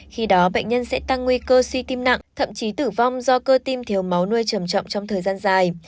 khi đó bệnh nhân sẽ tăng nguy cơ suy tim nặng thậm chí tử vong do cơ tim thiếu máu nuôi trầm trọng trong thời gian dài